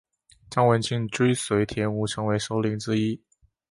张文庆追随田五成为首领之一。